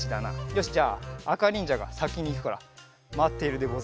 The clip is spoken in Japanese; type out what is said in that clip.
よしじゃああかにんじゃがさきにいくからまっているでござる。